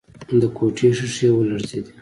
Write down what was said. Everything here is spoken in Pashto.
د کوټې ښيښې ولړزېدې.